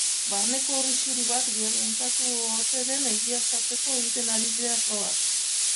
Barneko ur isuri bat gertatu ote den egiaztatzeko egiten ari dira frogak.